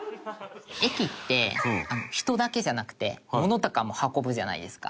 「駅って人だけじゃなくて物とかも運ぶじゃないですか」